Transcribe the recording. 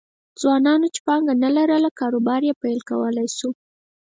ځوانانو چې پانګه نه لرله کاروبار یې پیل کولای شو